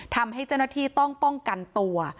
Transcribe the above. ทำให้เจ้าหน้าที่ต้องป้องกันตัว